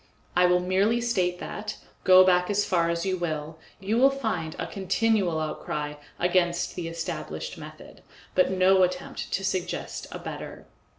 I will merely state that, go as far back as you will, you will find a continual outcry against the established method, but no attempt to suggest a better.